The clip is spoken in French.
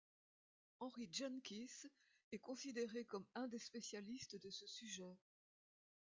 Henry Jenkins est considéré comme un des spécialistes de ce sujet.